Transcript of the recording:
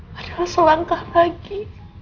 padahal selangkah lagi